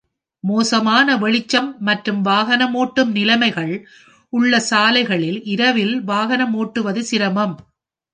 மோசமான வெளிச்சம் மற்றும் வாகனமோட்டும் நிலைமைகள் உள்ள சாலைகளில் இரவில் வாகனமோட்டுவது சிரமம்.